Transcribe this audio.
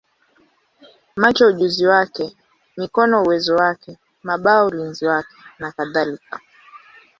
macho ujuzi wake, mikono uwezo wake, mabawa ulinzi wake, nakadhalika.